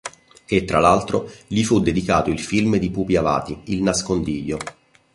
E tra l altro gli fu dedicato il film di pupi avati il nascondiglio